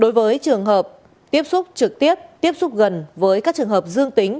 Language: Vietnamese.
đối với trường hợp tiếp xúc trực tiếp tiếp xúc gần với các trường hợp dương tính